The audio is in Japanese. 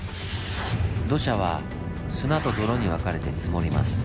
土砂は砂と泥に分かれて積もります。